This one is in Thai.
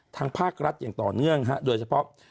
ทางภาครัฐอย่างต่อเนื่องโดยเฉพาะ